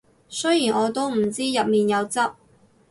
雖然我都唔知入面有汁